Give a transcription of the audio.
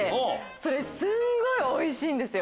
それすんごいおいしいんですよ。